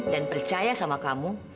dan percaya sama kamu